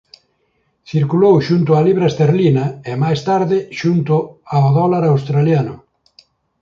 Circulou xunto á libra esterlina e máis tarde xunto ao dólar australiano.